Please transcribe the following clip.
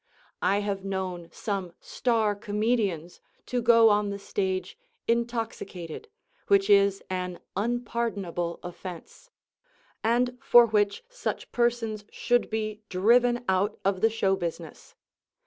I have known some star comedians to go on the stage intoxicated, which is an unpardonable offense, and for which such persons should be driven out of the show business.